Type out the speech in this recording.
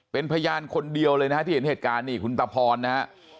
เป็นพยานคนเดียวเลยนะฮะที่เห็นเหตุการณ์นี่คุณตะพรนะฮะ